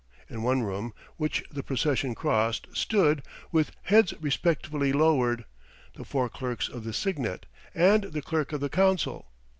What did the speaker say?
In one room, which the procession crossed, stood, with heads respectfully lowered, the four clerks of the signet, and the Clerk of the Council.